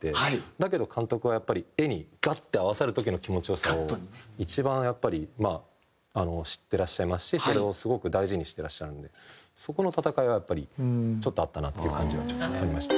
だけど監督はやっぱり画にガッて合わさる時の気持ち良さを一番やっぱり知ってらっしゃいますしそれをすごく大事にしてらっしゃるんでそこの闘いはやっぱりちょっとあったなっていう感じはありました。